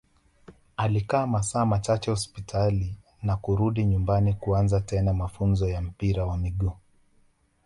alikaa masaa machache hospitali na kurudi nyumbani kuanza tena mafunzo ya mpira wa miguu